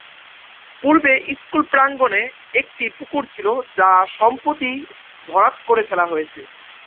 পূর্বে স্কুল প্রাঙ্গনে একটি পুকুর ছিল, যা সম্প্রতি ভরাট করে ফেলা হয়েছে।